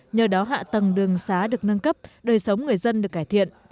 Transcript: nhờ đó hạ tầng đường xá được nâng cấp đời sống người dân được cải thiện